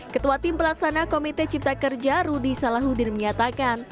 ketua tim pelaksana komite cipta kerja rudy salahuddin menyatakan